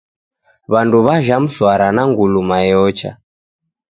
W'andu w'ajha mswara na nguluma yeocha.